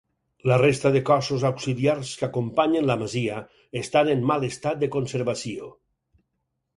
La resta de cossos auxiliars que acompanyen la masia estan en mal estat de conservació.